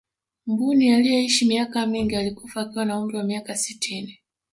mbuni aliyeishi miaka mingi alikufa akiwa na umri wa miaka sitini